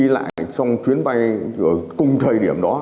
là thêm một lý do